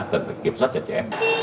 cần phải kiểm soát chặt chẽ